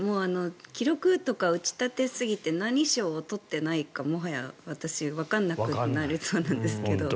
記録とか打ち立てすぎて何賞を取ってないか、もはやわからなくなりそうなんですが。